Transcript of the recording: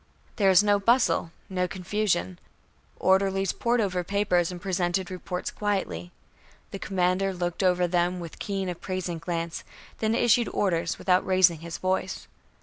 There was no bustle, no confusion. Orderlies pored over papers and presented reports quietly. The commander looked them over with keen appraising glance, then issued orders without raising his voice.